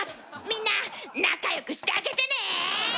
みんな仲良くしてあげてね！